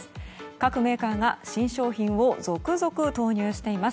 各メーカーが新商品を続々投入しています。